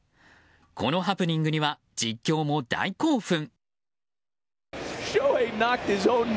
このハプニングには実況も大興奮。